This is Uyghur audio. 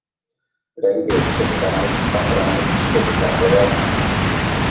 رەڭگى: سۇس رەڭلىك، ئاق رەڭلىك، سۇس كەھرىۋا رەڭلىك.